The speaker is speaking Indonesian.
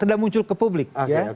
tidak muncul ke publik